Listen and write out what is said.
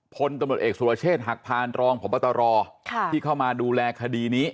พลตำรวจเอกสุรเชษฐ์หักพานรองพบตรที่เข้ามาดูแลคดีนี้